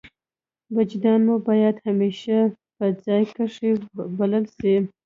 وجدان مو باید همېشه په ځان کښي وبلل سي.